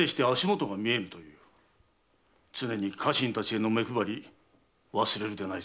常に家臣たちへの目配り忘れるでないぞ。